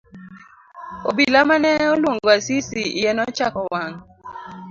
Obila mane oluongo Asisi iye nochako wang'.